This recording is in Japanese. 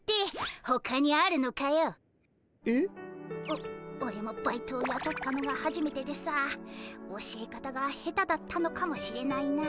おおれもバイトをやとったのがはじめてでさ教え方が下手だったのかもしれないな。